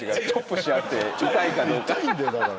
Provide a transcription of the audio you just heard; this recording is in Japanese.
痛いんだよだから。